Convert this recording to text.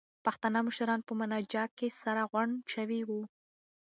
پښتانه مشران په مانجه کې سره غونډ شوي وو.